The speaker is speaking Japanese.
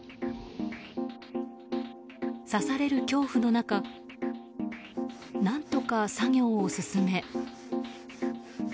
刺される恐怖の中何とか作業を進め